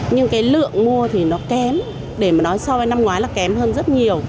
nhưng cái lượng mua thì nó kém để mà nói so với năm ngoái là kém hơn rất nhiều